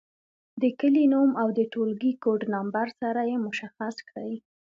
د کلي نوم او د ټولګي کوډ نمبر سره یې مشخص کړئ.